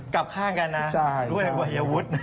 กลับข้างกันนะด้วยวัยวุฒินะ